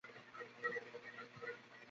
তিনি লুকিয়ে রাত জেগে পড়তেন ও লিখতেন।